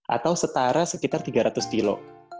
atau setara sekitar tiga ratus kilo